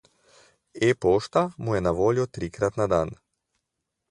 E-pošta mu je na voljo trikrat na dan.